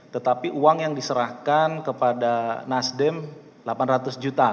tetapi uang yang diserahkan kepada nasdem delapan ratus juta